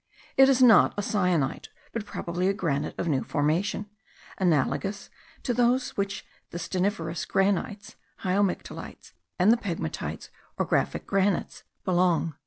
It is not a syenite, but probably a granite of new formation, analogous to those to which the stanniferous granites (hyalomictes) and the pegmatites, or graphic granites, belong.